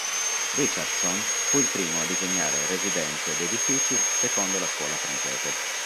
Richardson fu il primo a disegnare residenze ed edifici "secondo la scuola francese".